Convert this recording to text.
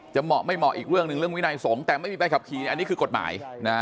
เหมาะไม่เหมาะอีกเรื่องหนึ่งเรื่องวินัยสงฆ์แต่ไม่มีใบขับขี่อันนี้คือกฎหมาย